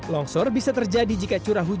longsor bisa terjadi jika curah hujan